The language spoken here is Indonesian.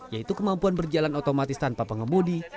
yaitu kemampuan berjalan otomatis tanpa pengemudi